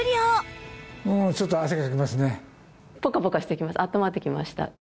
あったまってきました。